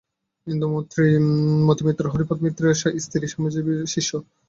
ইন্দুমতী মিত্র হরিপদ মিত্রের স্ত্রী, স্বামীজীর শিষ্যা।